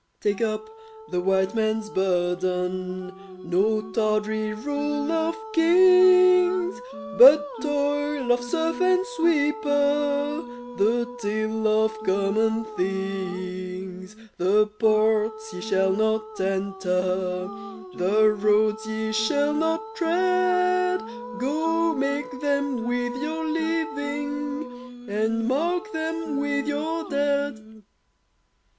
Take up the White Man's burden No tawdry rule of kings, But toil of serf and sweeper The tale of common things. The ports ye shall not enter, The roads ye shall not tread, Go make them with your living, And mark them with your dead.